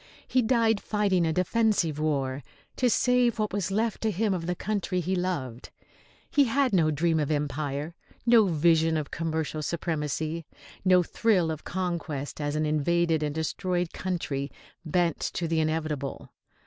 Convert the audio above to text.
He died fighting a defensive war, to save what was left to him of the country he loved. He had no dream of empire, no vision of commercial supremacy, no thrill of conquest as an invaded and destroyed country bent to the inevitable.